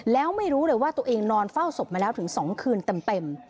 แล้วไม่รู้เลยว่าตัวเองนอนเฝ้าศพมาแล้วถึง๒คืนเต็ม